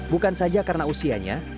bukan saja karena usianya